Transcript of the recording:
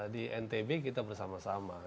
di ntb kita bersama sama